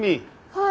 はい。